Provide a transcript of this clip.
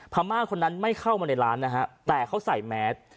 พม่าคนนั้นไม่เข้ามาในร้านนะฮะแต่เขาใส่แมส